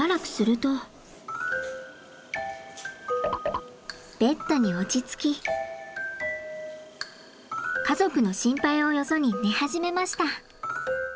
でもベッドに落ち着き家族の心配をよそに寝始めました。